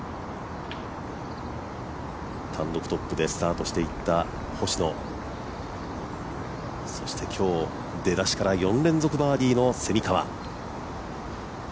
単独トップでスタートしていった星野、そして今日、出だしから４連続バーディーの蝉川。